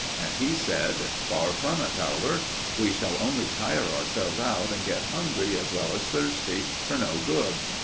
And he said: "Far from it, Towler. We shall only tire ourselves out, and get hungry, as well as thirsty, for no good.